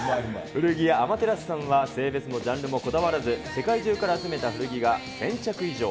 古着屋、アマテラスさんは、性別もジャンルもこだわらず、世界中から集めた古着が１０００着以上。